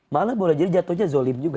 malah boleh jadi jatuhnya zolim juga